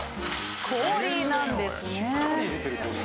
氷なんですね。